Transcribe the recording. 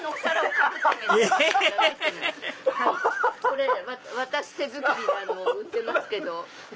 これ私手作りなの売ってますけど。